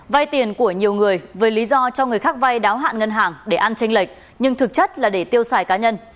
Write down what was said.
vay tiền của nhiều người với lý do cho người khác vay đáo hạn ngân hàng để ăn tranh lệch nhưng thực chất là để tiêu xài cá nhân